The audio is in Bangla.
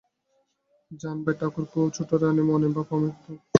জান ভাই ঠাকুরপো, ছোটোরানী মনে ভাবে আমি তোমাকে খোশামোদ করি।